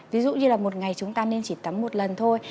ví dụ như là một ngày chúng ta nên chỉ tắm một lần thôi